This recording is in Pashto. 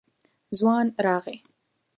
ځوان راغی.